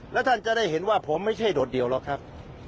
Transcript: แล้วท่านจะได้เห็นว่าผมไม่ใช่โดดเดี่ยวหรอกครับ